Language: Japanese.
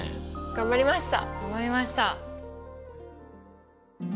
頑張りました！